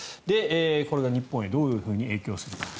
これが日本へどういうふうに影響するか。